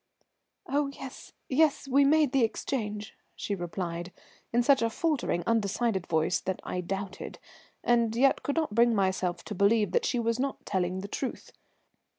"Oh, yes, yes, we made the exchange," she replied, in such a faltering, undecided voice that I doubted, and yet could not bring myself to believe that she was not telling the truth.